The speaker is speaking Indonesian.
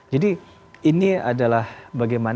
jadi ini adalah bagaimana